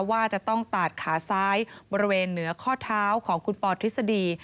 ว่าจะต้องตัดขาซ้ายบริเวณเหนือข้อเท้าของคุณปอทฤษฎี